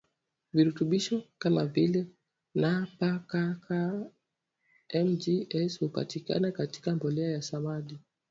virutubisho kama vile N P K Ca Mg S hupatikana katika mbolea ya samadi